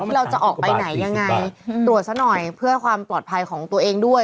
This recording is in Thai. เราจะออกไปไหนยังไงตรวจซะหน่อยเพื่อความปลอดภัยของตัวเองด้วย